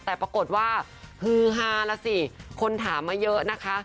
แต่ปรากฏว่าฮือฮาแล้วสิคนถามมาเยอะนะคะ